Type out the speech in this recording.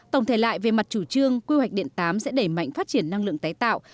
tổng thể lại về mặt chủ trương quy hoạch điện tám sẽ đẩy mạnh phát triển năng lượng tái tạo